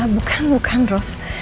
bukan bukan ros